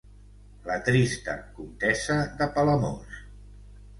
La trista comtessa de Palamós.